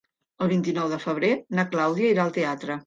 El vint-i-nou de febrer na Clàudia irà al teatre.